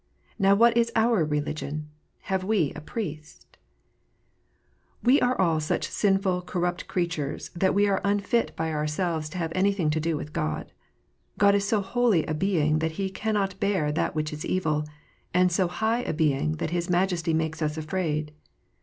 Now what is our religion 1 Have we a Priest ? We are all such sinful, corrupt creatures, that we are unfit, by ourselves, to have anything to do with God. God is so holy a Being that He cannot bear that which is evil, and so high a Being that His majesty makes us afraid.